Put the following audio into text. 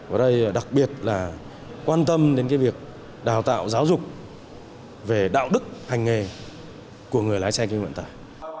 và đây đặc biệt là quan tâm đến việc đào tạo giáo dục về đạo đức hành nghề của người lái xe kinh doanh vận tải